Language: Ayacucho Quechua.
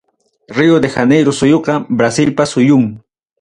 Rio de Janeiro suyuqa Brasilpa suyum.